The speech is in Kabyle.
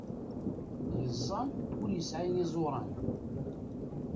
Yeẓẓa ur yesɛi iẓuran.